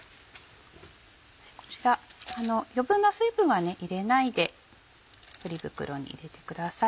こちら余分な水分は入れないでポリ袋に入れてください。